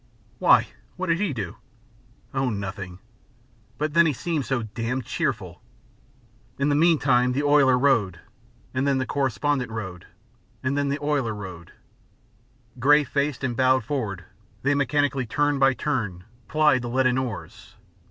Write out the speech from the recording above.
"Why? What did he do?" "Oh, nothing, but then he seemed so damned cheerful." In the meantime the oiler rowed, and then the correspondent rowed, and then the oiler rowed. Grey faced and bowed forward, they mechanically, turn by turn, plied the leaden oars.